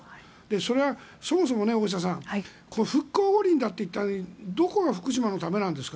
それはそもそも復興五輪だといったのにどこが福島のためなんですか？